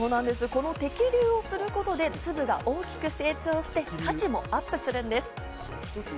この摘粒をすることで粒が大きく成長して、価値もアップするんです。